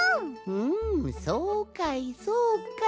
ふんそうかいそうかい。